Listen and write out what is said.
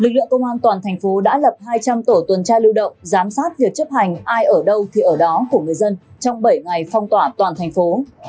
lực lượng công an toàn thành phố đã lập hai trăm linh tổ tuần tra lưu động giám sát việc chấp hành ai ở đâu thì ở đó của người dân trong bảy ngày phong tỏa toàn thành phố